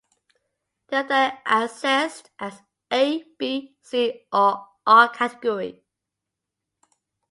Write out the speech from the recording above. They are then assessed as A, B, C or R category.